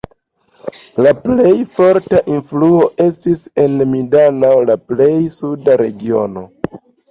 La plej forta influo estis en Mindanao, la plej suda regiono.